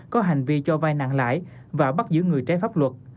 có hành vi cho vai nặng lãi và bắt giữ người trái pháp luật